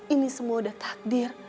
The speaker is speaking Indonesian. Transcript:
ini semua udah takdir